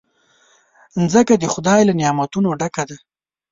مځکه د خدای له نعمتونو ډکه ده.